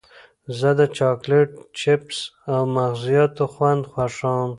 زه د چاکلېټ، چېپس او مغزیاتو خوند خوښوم.